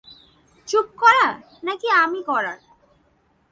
চুপ করা, নাকি আমি করাব!